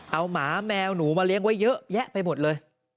เอาหมาแมวหนูมาเลี้ยงไว้เยอะแยะไปหมดเลย